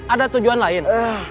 ada tujuan lain